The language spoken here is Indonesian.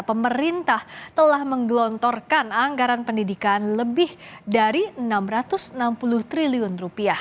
pemerintah telah menggelontorkan anggaran pendidikan lebih dari rp enam ratus enam puluh triliun